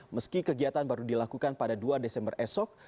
meski kegiatan baru dilakukan pada dua desember esok